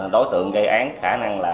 đối tượng gây án khả năng là